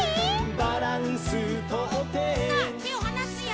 「バランスとって」さあてをはなすよ。